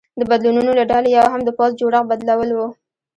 د بدلونونو له ډلې یو هم د پوځ جوړښت بدلول و